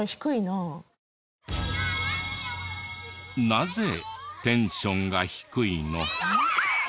なぜテンションが低いの？